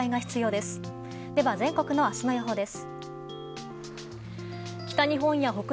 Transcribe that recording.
では、全国の明日の予報です。